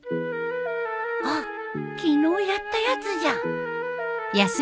あっ昨日やったやつじゃん